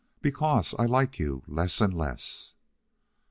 "Because I like you less and less."